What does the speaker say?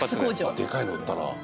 でかいの売ったな。